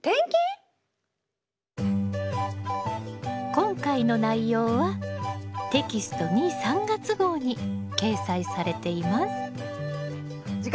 今回の内容はテキスト２・３月号に掲載されています。